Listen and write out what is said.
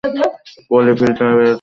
পলি, ফিল্মটা পেয়েছ?